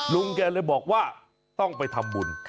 ลุงแกเลยบอกว่าต้องไปทำบุญ